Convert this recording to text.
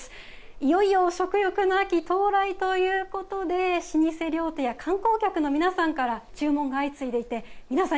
いよいよ食欲の秋、到来ということで老舗料亭や観光客の皆さんから注文が相次いでいて皆さん